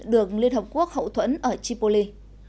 được liên hợp quốc hậu thuẫn ở tripoli